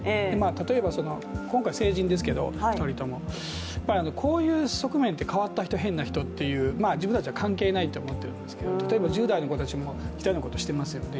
例えば、今回、成人ですけど２人ともこういう側面って変わった人、変な人って、自分たちは関係ないと思っているんですけど、例えば１０代の人たちも似たようなことしてますよね。